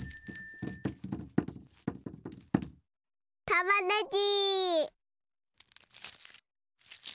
たまねぎ。